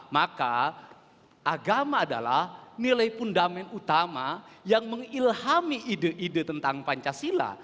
maka agama adalah nilai fundament utama yang mengilhami ide ide tentang pancasila